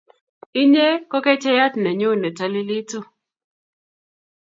inye ko kechayet ne nyun ne talilitu